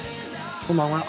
こんばんは。